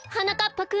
ぱくん